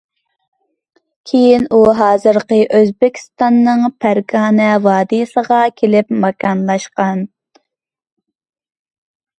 كېيىن ئۇ ھازىرقى ئۆزبېكىستاننىڭ پەرغانە ۋادىسىغا كېلىپ ماكانلاشقان.